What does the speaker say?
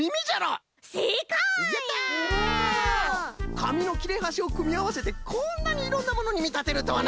かみのきれはしをくみあわせてこんなにいろんなものにみたてるとはな。